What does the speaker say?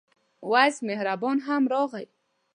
وېس مهربان هم راغی.